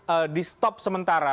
atau di stop sementara